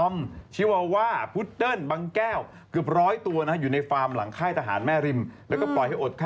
นี่ดูดิแฮ่งตายตูผอมอย่างงี้คุณผู้ชมแห้งตายเลยนะ